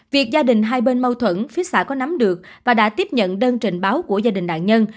việc gia đình hai bên mâu thuẫn phía xã có nắm được và đã tiếp nhận đơn trình báo của gia đình nạn nhân